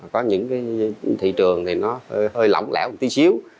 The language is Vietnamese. có những thị trường thì nó hơi lỏng lẽo một tí xíu